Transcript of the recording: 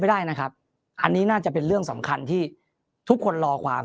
ได้นะครับอันนี้น่าจะเป็นเรื่องสำคัญที่ทุกคนรอความ